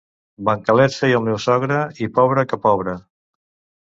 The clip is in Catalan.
Bancalets feia el meu sogre i pobre que pobre.